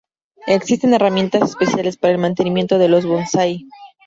Existen herramientas especiales para el mantenimiento de los bonsái.